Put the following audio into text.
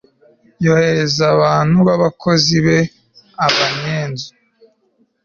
yohereza abantu b'abakozi be, abanyenzu